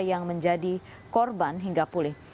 yang menjadi korban hingga pulih